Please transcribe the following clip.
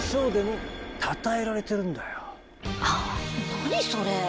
何それ。